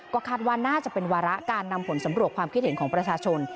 ก็คาดว่าน่าจะเป็นวาระการนำผลสำรวจความคิดเห็นของประชาชน